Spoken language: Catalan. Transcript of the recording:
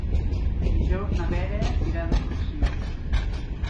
Dijous na Vera irà d'excursió.